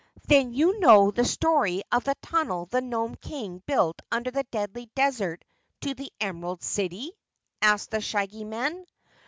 "Then you know the story of the tunnel the Nome King built under the Deadly Desert to the Emerald City?" asked the Shaggy Man.